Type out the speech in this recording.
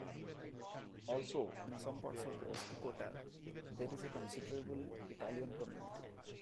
Also, in some parts of Gorski Kotar there is a considerable Italian community.